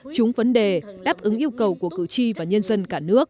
chúng vấn đề đáp ứng yêu cầu của cử tri và nhân dân cả nước